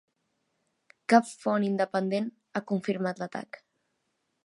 Cap font independent ha confirmat l"atac.